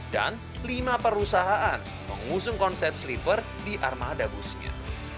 dan lima perusahaan mengusung konsep sleeper di armada busnya